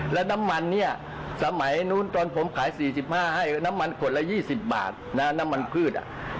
แล้วน้ำมันเนี่ยสมัยนู้นตอนผมขาย๔๕ให้น้ำมันขวดละ๒๐บาทนะน้ำมันพืช